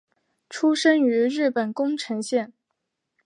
出生于日本宫城县。